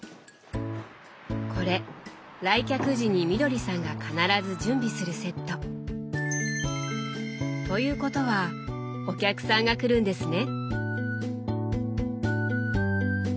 これ来客時にみどりさんが必ず準備するセット。ということはお客さんが来るんですね。